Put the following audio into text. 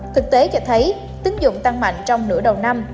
thực tế cho thấy tính dụng tăng mạnh trong nửa đầu năm